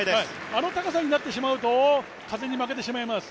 あの高さになってしまうと風に負けてしまいます。